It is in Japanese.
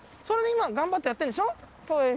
それで今頑張ってやってんでしょ。